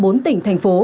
bốn tỉnh thành phố